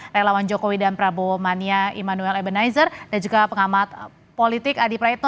relawan jokowi dan prabowo mania immanuel ebenizer dan juga pengamat politik adi praetno